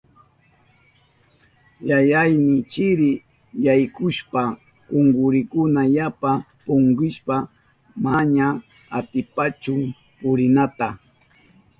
Yayayni chiri yaykushpan kunkurinkuna yapa punkishpan manaña atipanchu purinata.